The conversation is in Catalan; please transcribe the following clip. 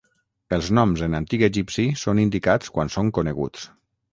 Els noms en antic egipci són indicats quan són coneguts.